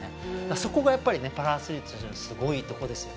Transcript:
そこがやっぱりパラアスリートのすごいところです。